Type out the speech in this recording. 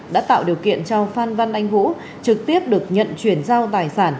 đã tạo điều kiện cho phan văn anh vũ trực tiếp được nhận chuyển giao tài sản